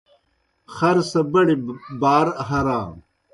خر سہ بڑیْ بَار ہرانوْ۔